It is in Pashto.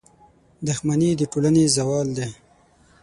• دښمني د ټولنې زوال دی.